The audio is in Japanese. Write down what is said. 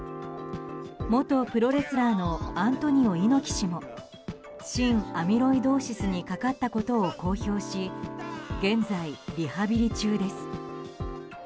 元プロレスラーのアントニオ猪木氏も心アミロイドーシスにかかったことを公表し現在、リハビリ中です。